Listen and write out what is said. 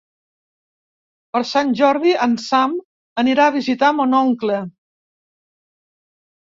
Per Sant Jordi en Sam anirà a visitar mon oncle.